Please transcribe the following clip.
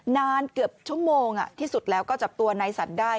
นานเกือบชั่วโมงที่สุดแล้วก็จับตัวนายสันได้